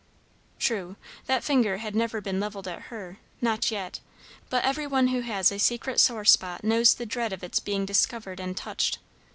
True, that finger had never been levelled at her, not yet; but every one who has a secret sore spot knows the dread of its being discovered and touched.